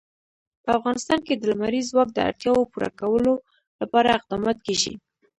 په افغانستان کې د لمریز ځواک د اړتیاوو پوره کولو لپاره اقدامات کېږي.